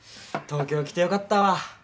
東京来てよかったわ。